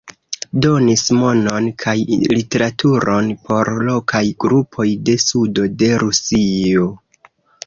Donis monon kaj literaturon por lokaj grupoj de sudo de Rusio.